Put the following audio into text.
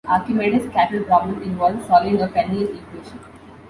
Archimedes' cattle problem involves solving a Pellian equation.